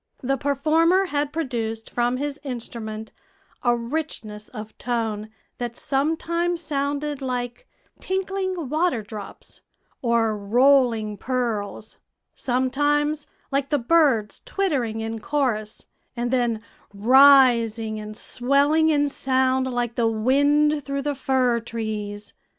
The performer had produced from his instrument a richness of tone that sometimes sounded like tinkling waterdrops or rolling pearls; sometimes like the birds twittering in chorus, and then rising and swelling in sound like the wind through the fir trees.